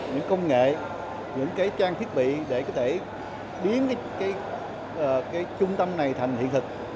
những công nghệ những trang thiết bị để có thể biến trung tâm này thành hiện thực